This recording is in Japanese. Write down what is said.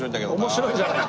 「面白い」じゃない。